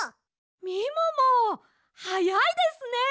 みももはやいですね！